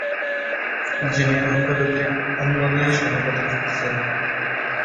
যিনি আন্তর্জাতিক অঙ্গনে স্বর্ণপদক জিতেছেন।